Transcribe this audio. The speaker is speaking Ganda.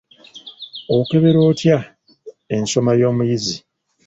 Okebera otya ensoma y'omuyizi?